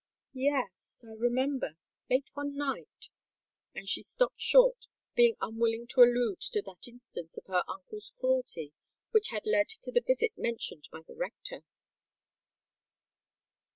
"Yes—I remember—late one night——" And she stopped short, being unwilling to allude to that instance of her uncle's cruelty which had led to the visit mentioned by the rector.